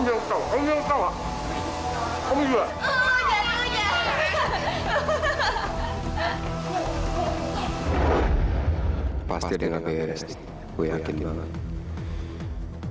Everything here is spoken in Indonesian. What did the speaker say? pasti dengerin aku ya resti gua yakin banget